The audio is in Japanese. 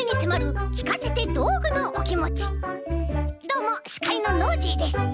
どうもしかいのノージーです！